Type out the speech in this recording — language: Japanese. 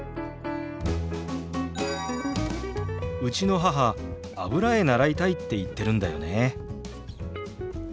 うちの母油絵習いたいって言ってるんだよね。